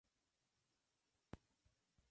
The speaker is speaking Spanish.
La serie ha recibido en general malas críticas.